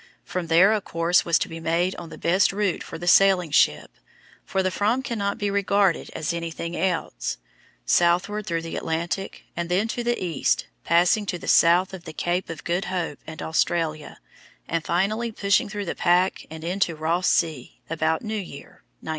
From there a course was to be made on the best route for a sailing ship for the Fram cannot be regarded as anything else southward through the Atlantic, and then to the east, passing to the south of the Cape of Good Hope and Australia, and finally pushing through the pack and into Ross Sea about New Year, 1911.